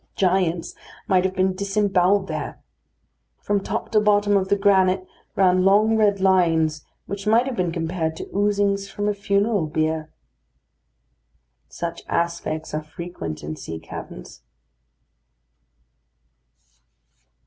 Giants might have been disembowelled there. From top to bottom of the granite ran long red lines, which might have been compared to oozings from a funeral bier. Such aspects are frequent in sea caverns.